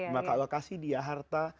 maka allah kasih dia harta